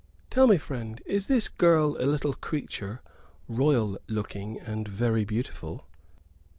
"Tell me, friend, is this girl a little creature, royal looking and very beautiful?"